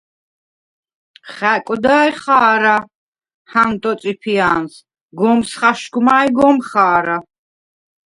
“ხა̈კვდა̄-ჲ ხა̄რა! ჰანტო წიფია̄ნს გომს ხაშგვმა ი გომ ხა̄რა!”